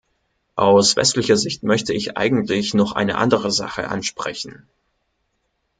Aus westlicher Sicht möchte ich eigentlich noch eine andere Sache ansprechen.